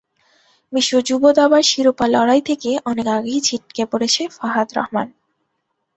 বিশ্ব যুব দাবার শিরোপা লড়াই থেকে অনেক আগেই ছিটকে পড়েছে ফাহাদ রহমান।